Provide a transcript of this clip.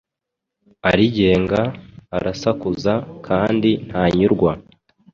Arigenga, arasakuza kandi ntanyurwa.